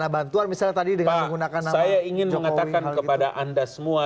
pak saya ingin mengatakan kepada anda semua